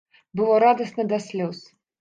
Было радасна да слёз.